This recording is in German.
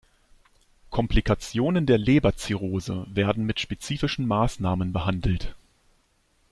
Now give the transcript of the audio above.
Komplikationen der Leberzirrhose werden mit spezifischen Maßnahmen behandelt.